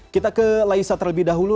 kita ke laisa terlebih dahulu